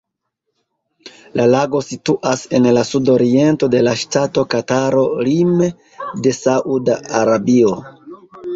La lago situas en la sudoriento de la ŝtato Kataro lime de Sauda Arabio.